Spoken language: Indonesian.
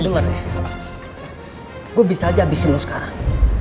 dengar nih gua bisa aja abisin lu sekarang